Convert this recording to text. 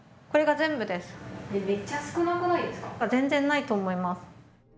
全然ないと思います。